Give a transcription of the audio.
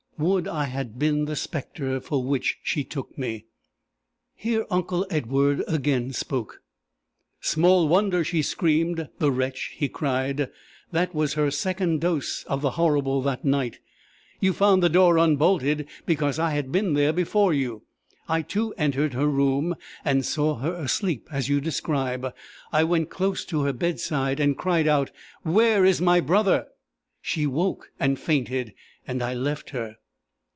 Would I had been the spectre for which she took me!" Here uncle Edward again spoke. "Small wonder she screamed, the wretch!" he cried: "that was her second dose of the horrible that night! You found the door unbolted because I had been there before you. I too entered her room, and saw her asleep as you describe. I went close to her bedside, and cried out, 'Where is my brother?' She woke, and fainted, and I left her."